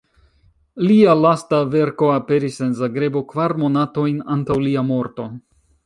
Lia lasta verko aperis en Zagrebo kvar monatojn antaŭ lia morto.